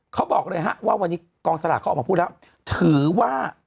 เขาบอกเลยครับว่าวันนี้กองสลัดออกมาพูดแล้ว